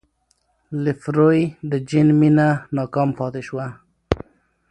لفروی د جین مینه ناکام پاتې شوه.